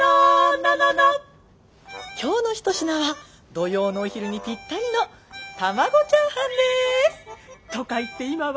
今日の一品は土曜のお昼にぴったりの卵チャーハンです。とか言って今は。